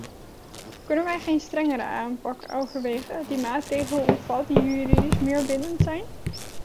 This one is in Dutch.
Kunnen wij geen strengere aanpak overwegen die maatregelen omvat die juridisch meer bindend zijn?